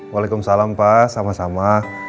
waalaikumsalam pak sama sama